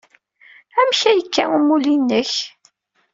Amek ay yekka umulli-nnek?